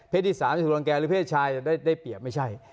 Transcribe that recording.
ที่๓จะถูกรังแก่หรือเพศชายจะได้เปรียบไม่ใช่